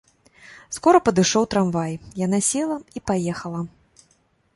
Скора падышоў трамвай, яна села і паехала.